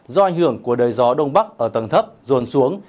do ảnh hưởng của đời gió đông bắc ở tầng thấp dồn xuống